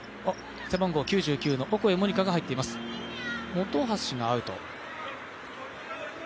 本橋がアウト。